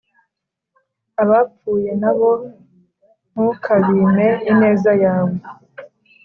abapfuye na bo ntukabime ineza yawe